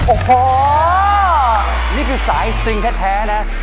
โอ้โหนี่คือสายสตริงแท้นะ